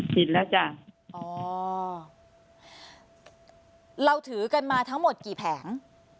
ผิดแล้วจ้ะอ๋อเราถือกันมาทั้งหมดกี่แผง